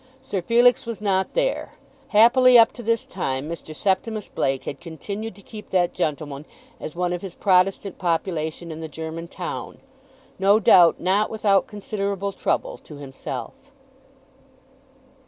Sir Felix was not there. Happily up to this time Mr. Septimus Blake had continued to keep that gentleman as one of his Protestant population in the German town, no doubt not without considerable trouble to himself.